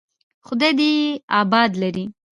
خداى دې يې اباد لري.